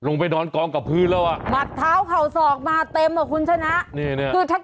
มากเอาเร็วกลับทางด้านนี้ได้เลยนะครับ